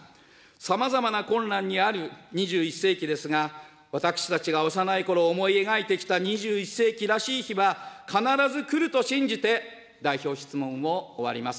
さまざまな困難にある２１世紀ですが、私たちが幼いころ思い描いてきた２１世紀らしい日は必ず来ると信じて、代表質問を終わります。